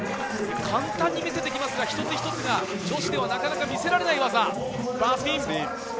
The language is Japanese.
簡単に見せてきますが、一つ一つが女子ではなかなか見せられない技。